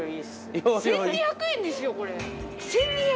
１２００円ですよ！